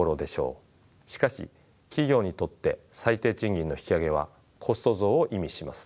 しかし企業にとって最低賃金の引き上げはコスト増を意味します。